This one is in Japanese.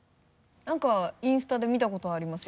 なんかインスタで見たことありますよ。